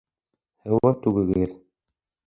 Һыуын түгегеҙ